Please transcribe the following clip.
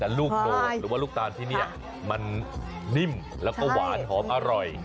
แต่ลูกโนหรือว่าลูกตาลที่นี่มันนิ่มแล้วก็หวานหอมอร่อย